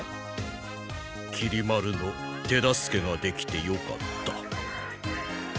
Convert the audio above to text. きり丸の手助けができてよかった。